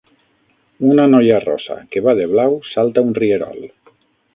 Una noia rossa que va de blau salta un rierol